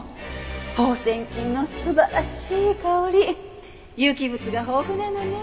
放線菌の素晴らしい香り有機物が豊富なのね。